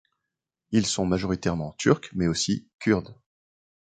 Ils sont majoritairement turcs mais aussi kurdes.